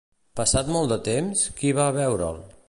Passat molt de temps, qui va a veure'l?